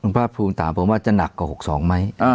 มพรภูมิตรังผมว่าจะหนักกว่า๖๒ไหม